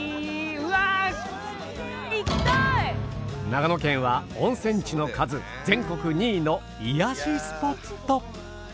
長野県は温泉地の数全国２位の癒やしスポット。